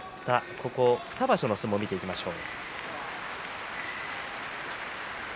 ここ２場所の相撲を見ていきましょう。